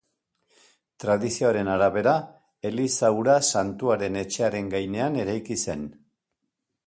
Tradizioaren arabera eliza hura santuaren etxearen gainean eraiki zen.